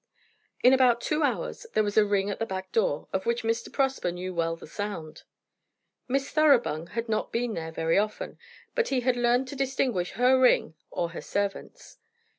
In about two hours there was a ring at the back door, of which Mr. Prosper knew well the sound. Miss Thoroughbung had not been there very often, but he had learned to distinguish her ring or her servant's.